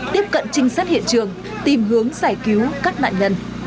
tiếp cận trinh sát hiện trường tìm hướng giải cứu các nạn nhân